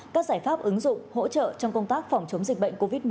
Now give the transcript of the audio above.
các giải pháp ứng dụng hỗ trợ trong công tác phòng chống dịch bệnh covid một mươi chín